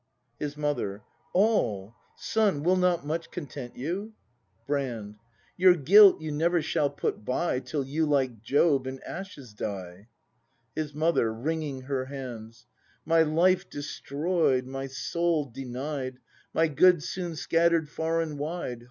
His Mother. All! Son, will not much content you? ACT II] BRAND 95 Brand. Your guilt you never shall put by Till you, like Job, in ashes die. His Mother. [Wringing her hands.] My life destroy 'd, my soul denied. My goods soon scatter'd far and wide!